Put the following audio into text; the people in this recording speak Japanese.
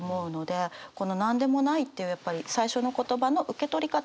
この「なんでもない」っていうやっぱり最初の言葉の受け取り方。